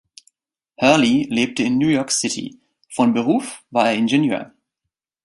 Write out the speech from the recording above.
Hurley lebte in New York City, von Beruf war er Ingenieur.